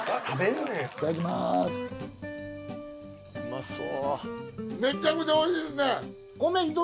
うまそう。